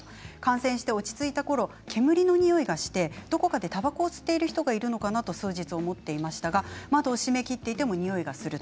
感染して落ち着いたころ煙のにおいがしてどこかでたばこを吸っている人がいるのかなと数日思っていましたが窓を閉めきっていてもにおいがする。